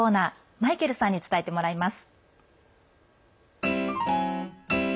マイケルさんに伝えてもらいます。